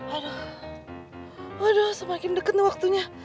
aduh aduh semakin deket nih waktunya